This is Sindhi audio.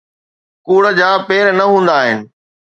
ڪوڙ جا پير نه هوندا آهن